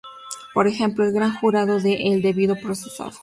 Por ejemplo, el Gran Jurado y el "debido proceso".